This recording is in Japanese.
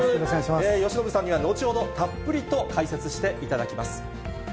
由伸さんには後ほど、たっぷりと解説していただきます。